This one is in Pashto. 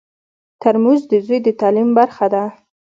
ترموز د زوی د تعلیم برخه ده.